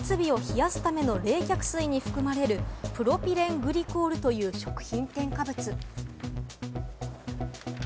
オリオンビールによると流れてたのは、設備を冷やすための冷却水に含まれるプロピレングリコールという食品添加物。